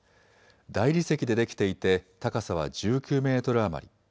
大理石でできていて高さは１９メートル余り。